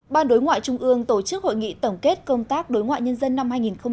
ban đối ngoại trung ương tổ chức hội nghị tổng kết công tác đối ngoại nhân dân năm hai nghìn một mươi chín